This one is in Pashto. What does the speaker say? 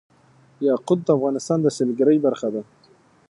یاقوت د افغانستان د سیلګرۍ برخه ده.